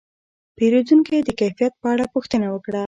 پیرودونکی د کیفیت په اړه پوښتنه وکړه.